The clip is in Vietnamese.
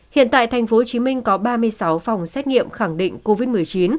hiện tại tp hcm có ba mươi sáu phòng xét nghiệm khẳng định covid một mươi chín